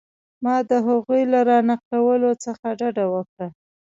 ما د هغوی له را نقلولو څخه ډډه وکړه.